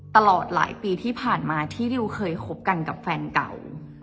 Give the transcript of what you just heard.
ตลอดหลายปีที่ผ่านมาที่ดิวเคยคบกันกับแฟนเก่า